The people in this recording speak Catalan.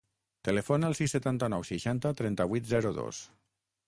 Telefona al sis, setanta-nou, seixanta, trenta-vuit, zero, dos.